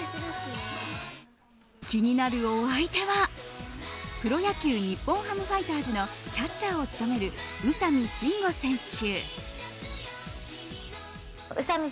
気になるお相手はプロ野球日本ハムファイターズのキャッチャーを務める宇佐見真吾選手。